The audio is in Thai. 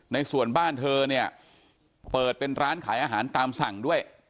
ในส่วนบ้านเธอเนี่ยเปิดเป็นร้านขายอาหารตามสั่งด้วย